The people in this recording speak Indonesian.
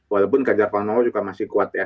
walaupun gadjar panowo juga masih kuat ya